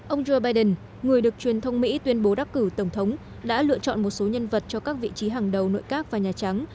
ông joe biden người được truyền thông mỹ tuyên bố đắc cử tổng thống đã lựa chọn một số nhân vật cho các vị trí hàng đầu nội các và nhà trắng